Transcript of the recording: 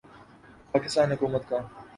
پاکستان حکومت کا